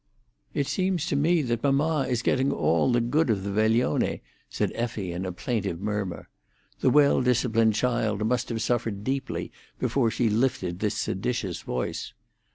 "It seems to me that mamma is getting all the good of the veglione," said Effie, in a plaintive murmur. The well disciplined child must have suffered deeply before she lifted this seditious voice.